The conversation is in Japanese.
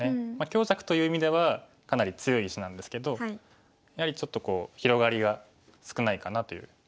強弱という意味ではかなり強い石なんですけどやはりちょっと広がりが少ないかなという気がします。